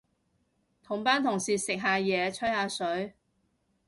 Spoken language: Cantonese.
同班同事食下嘢，吹下水